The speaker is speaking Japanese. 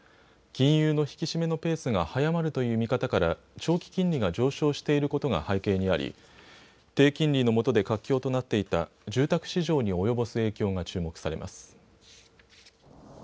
金融の引き締めのペースが速まるという見方から長期金利が上昇していることが背景にあり、低金利のもとで活況となっていた住宅市場に及ぼす影響が注目されます。